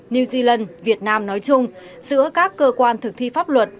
new zealand việt nam nói chung giữa các cơ quan thực thi pháp luật